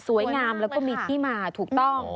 งามแล้วก็มีที่มาถูกต้อง